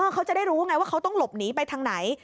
เขาจะได้รู้ไงว่าเขาต้องหลบหนีไปทางไหน